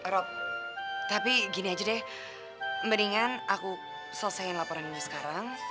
rob tapi gini aja deh mendingan aku selesain laporannya sekarang